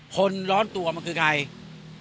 คนร้อนตัวมันคือใคร